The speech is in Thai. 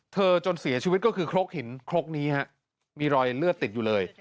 จนเสียชีวิตก็คือครกหินครกนี้ฮะมีรอยเลือดติดอยู่เลย